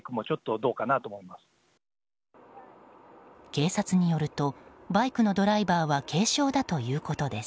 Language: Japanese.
警察によるとバイクのドライバーは軽傷だということです。